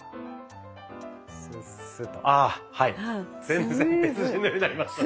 全然別人のようになりましたね。